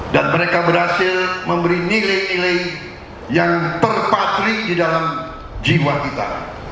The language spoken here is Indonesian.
dan mereka berhasil memberi nilai nilai yang terpatrik di dalam jiwa kita